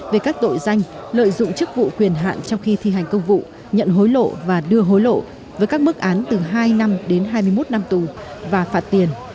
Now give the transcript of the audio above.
về các tội danh lợi dụng chức vụ quyền hạn trong khi thi hành công vụ nhận hối lộ và đưa hối lộ với các mức án từ hai năm đến hai mươi một năm tù và phạt tiền